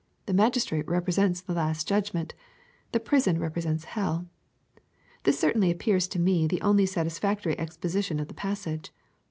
The magistrate represents the last judgment The prison represents hell. This certainly appears to me the only satisfactory exposition of the passage.